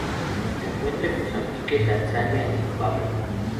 Se encuentra en Mozambique Tanzania y Zimbabue.